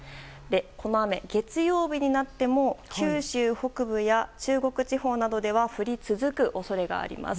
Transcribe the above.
この雨、月曜日になっても九州北部や中国地方などでは降り続く恐れがあります。